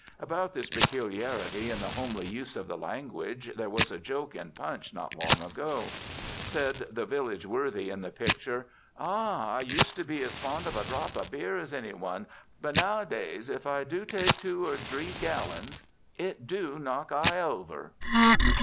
About this peculiarity in the homely use of the language there was a joke in Punch not long ago. Said the village worthy in the picture: "Ah, I used to be as fond of a drop o' beer as any one, but nowadays if I do take two or dree gallons it do knock I over!"